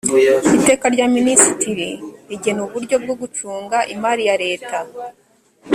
iteka rya minisitiri rigena uburyo bwo gucunga imari ya leta